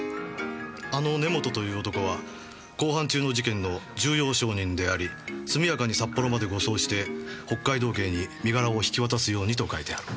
あの根元という男は公判中の事件の重要証人であり速やかに札幌まで護送して北海道警に身柄を引き渡すようにと書いてある。